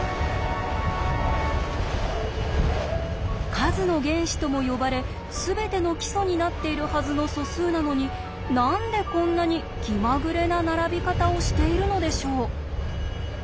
数の原子とも呼ばれ全ての基礎になっているはずの素数なのに何でこんなに気まぐれな並び方をしているのでしょう？